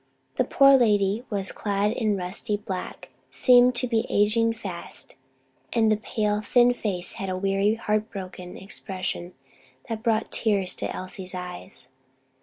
The poor lady was clad in rusty black, seemed to be aging fast, and the pale, thin face had a weary, heart broken expression that brought the tears to Elsie's eyes.